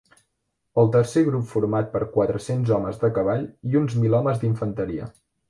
El tercer grup format per quatre-cents homes de cavall i uns mil homes d'infanteria.